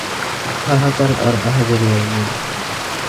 হাহাকার আর আহাজারি আর নেই।